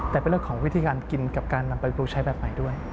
แต่เป็นเรื่องของวิธีการกินกับการนำไปปรุงใช้แบบใหม่ด้วย